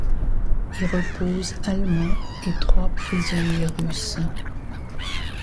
Y reposent allemands et trois prisonniers russes.